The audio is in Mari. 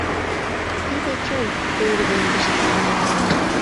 — Тиде чын, — пеҥгыдемдыш Саванай.